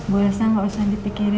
bu elsa gak usah dipikirin ya